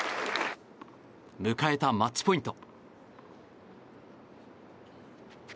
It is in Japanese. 迎えたマッチポイント。